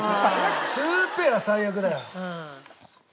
２ペア最悪だよ。